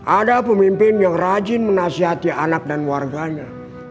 ada pemimpin yang rajin menasihati anak dan warganya